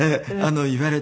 言われて。